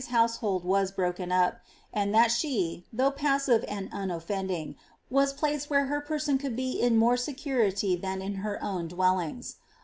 MAmY» 151 that Mary's household was broken up^ and that she^ though passive and unoffending, was placed where her person could be in more secu lity than in her own dwellings.